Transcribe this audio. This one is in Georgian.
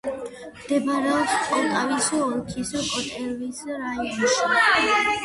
მდებარეობს პოლტავის ოლქის კოტელვის რაიონში.